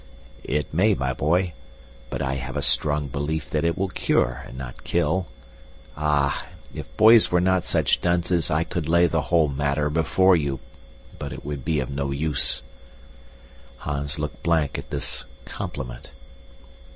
"It may, my boy. But I have a strong belief that it will cure and not kill. Ah! If boys were not such dunces, I could lay the whole matter before you, but it would be of no use." Hans looked blank at this compliment.